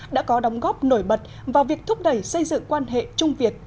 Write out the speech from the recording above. đã có đóng góp nổi bật vào việc thúc đẩy xây dựng quan hệ trung việt